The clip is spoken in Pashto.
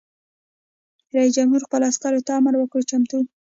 رئیس جمهور خپلو عسکرو ته امر وکړ؛ چمتو!